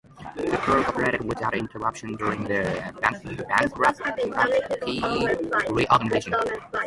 The park operated without interruption during the bankruptcy reorganization.